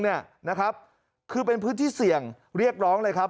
นะครับคือเป็นพื้นที่เสี่ยงเรียกร้องเลยครับ